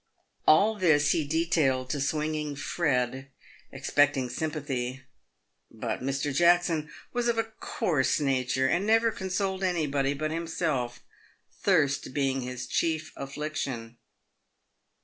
All this he detailed to Swinging Fred, expecting sympathy. But Mr. Jackson was of a coarse nature, and never consoled anybody but himself — thirst being his chief affliction.